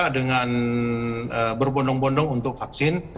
dengan berbondong bondong untuk vaksin